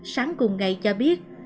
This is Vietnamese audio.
sáng cùng ngày cho biết